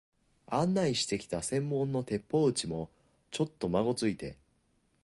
案内してきた専門の鉄砲打ちも、ちょっとまごついて、